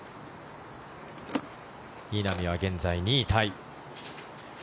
稲見は現在２位タイ。